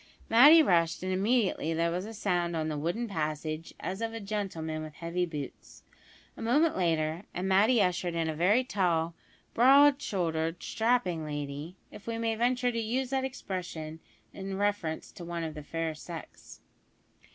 Matty rushed, and immediately there was a sound on the wooden passage as of a gentleman with heavy boots. A moment later, and Matty ushered in a very tall, broad shouldered, strapping lady; if we may venture to use that expression in reference to one of the fair sex.